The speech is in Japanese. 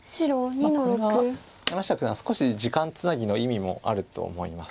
まあこれは山下九段少し時間つなぎの意味もあると思います。